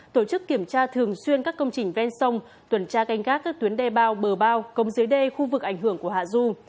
tổ chức kiểm tra thường xuyên các công trình ven sông tuần tra canh gác các tuyến đê bao bờ bao cống dưới đê khu vực ảnh hưởng của hạ du